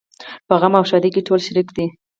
په غم او ښادۍ کې ټول شریک دي.